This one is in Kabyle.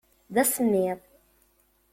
D asemmiḍ.